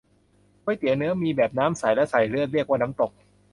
ก๋วยเตี๋ยวเนื้อ มีแบบน้ำใส และใส่เลือด เรียกว่าน้ำตก